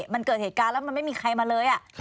มันเกิดเหตุการณ์แล้วมันไม่มีใครมาเลย